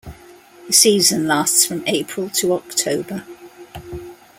The season lasts from April to October.